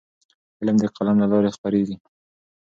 علم د قلم له لارې خپرېږي.